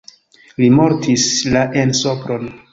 Li mortis la en Sopron.